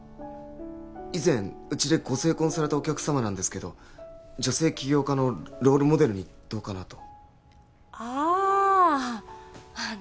以前うちでご成婚されたお客様なんですけど女性起業家のロールモデルにどうかなとあああっ